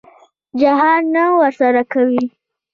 جهاد نه ورسره کوي.